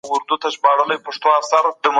څنګه کولای سو واردات د خپلو ګټو لپاره وکاروو؟